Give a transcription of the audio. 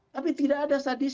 tapi tidak ada sadisme